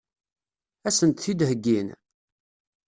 Ad sent-t-id-heggin?